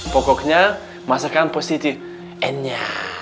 pokoknya masakan positif enya